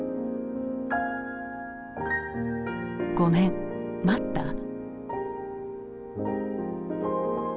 「ごめん待った？」。